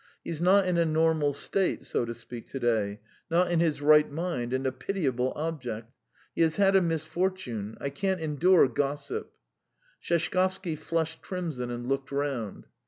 He's not in a normal state, so to speak, to day not in his right mind, and a pitiable object. He has had a misfortune. I can't endure gossip. ..." Sheshkovsky flushed crimson and looked round.